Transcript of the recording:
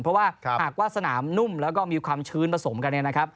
เพราะว่าหากว่าสนามนุ่มและมีความชื้นผสมกัน